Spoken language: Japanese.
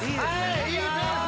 いいペース